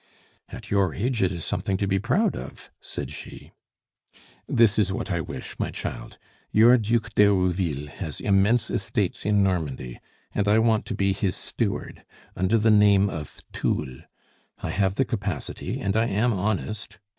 "At your age it is something to be proud of," said she. "This is what I wish, my child. Your Duc d'Herouville has immense estates in Normandy, and I want to be his steward, under the name of Thoul. I have the capacity, and I am honest.